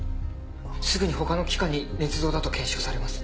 すぐに他の機関に捏造だと検証されます。